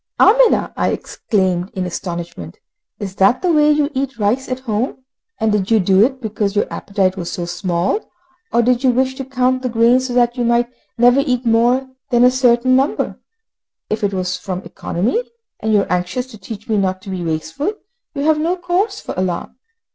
"Amina," I exclaimed in astonishment, "is that the way you eat rice at home? And did you do it because your appetite was so small, or did you wish to count the grains so that you might never eat more than a certain number? If it was from economy, and you are anxious to teach me not to be wasteful, you have no cause for alarm.